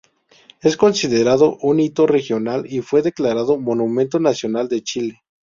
Es considerado un hito regional y fue declarado Monumento Nacional de Chile.